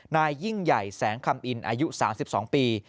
นายยิ่งใหญ่แสงคำอินอายุ๓๒ปี